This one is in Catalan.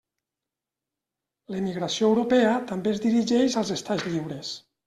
L'emigració europea també es dirigeix als estats lliures.